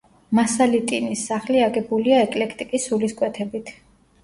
მასალიტინის სახლი აგებულია ეკლექტიკის სულისკვეთებით.